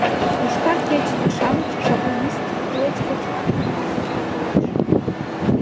«Йошкар кечызе»-шамыч — «шаблонисты», тулеч кочырак Кармазин колтылеш.